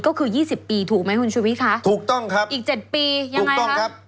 ก็คือ๒๐ปีถูกไหมคุณชุวิตคะถูกต้องครับอีก๗ปียังไงครับถูกต้องครับ